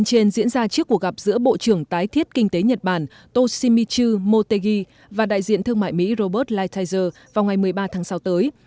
trên diễn ra trước cuộc gặp giữa bộ trưởng tái thiết kinh tế nhật bản toshimitu motegi và đại diện thương mại mỹ robert lighthizer vào ngày một mươi ba tháng sáu tới